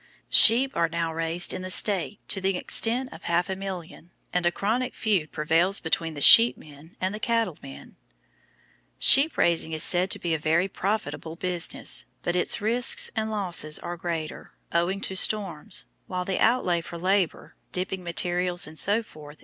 Sheep are now raised in the State to the extent of half a million, and a chronic feud prevails between the "sheep men" and the "cattle men." Sheep raising is said to be a very profitable business, but its risks and losses are greater, owing to storms, while the outlay for labor, dipping materials, etc.